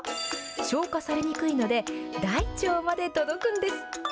消化されにくいので、大腸まで届くんです。